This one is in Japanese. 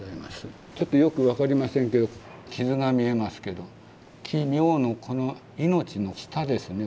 ちょっとよく分かりませんけど傷が見えますけど「帰命」のこの「命」の下ですね。